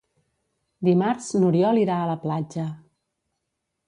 Dimarts n'Oriol irà a la platja.